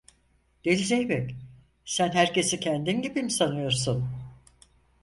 Deli zeybek, sen herkesi kendin gibi mi sanıyorsun…